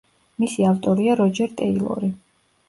მისი ავტორია როჯერ ტეილორი.